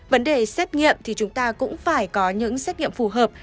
vấn đề xét nghiệm thì chúng ta cũng phải có những xét nghiệm phù hợp